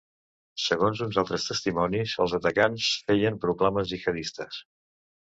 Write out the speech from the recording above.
Segons uns altres testimonis, els atacants feien proclames gihadistes.